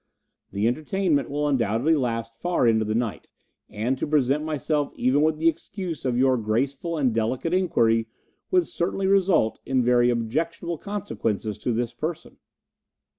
The entertainment will undoubtedly last far into the night, and to present myself even with the excuse of your graceful and delicate inquiry would certainly result in very objectionable consequences to this person."